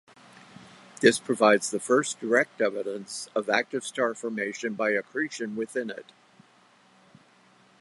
This provides the first direct evidence of active star formation by accretion within it.